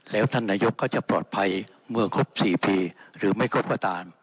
แล้วท่านนายกก็จะปลอดภัยเมื่อครบ๔ปีหรือไม่ครบก็ตาม